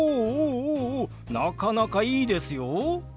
おおおなかなかいいですよ。